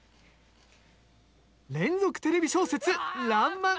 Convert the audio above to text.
連続テレビ小説、らんまん。